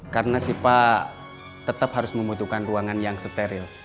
karena siva tetep harus membutuhkan ruangan yang steril